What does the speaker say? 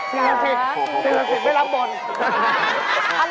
สินสิทธิ์สินสิทธิ์ไม่รับบ่น